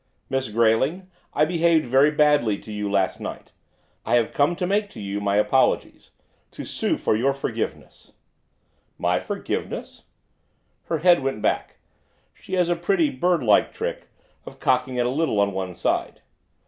'Miss Grayling, I behaved very badly to you last night. I have come to make to you my apologies, to sue for your forgiveness!' 'My forgiveness?' Her head went back, she has a pretty bird like trick of cocking it a little on one side.